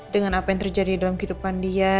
dengan apa yang terjadi dalam kehidupan dia